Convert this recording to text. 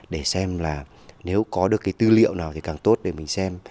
để xem là nếu có được cái tư liệu nào thì càng tốt để mình xem